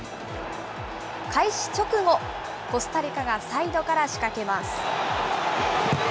開始直後、コスタリカがサイドから仕掛けます。